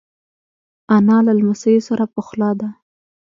انا له لمسیو سره پخلا ده